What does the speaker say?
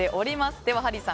ではハリーさん